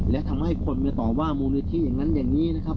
และทำให้คนมาต่อว่ามูลนิธิอย่างนั้นอย่างนี้นะครับ